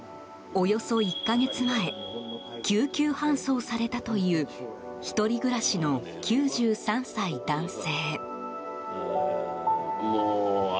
およそ１か月前救急搬送されたという１人暮らしの９３歳男性。